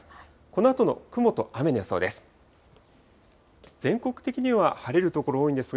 このあとの雲と雨の予想です。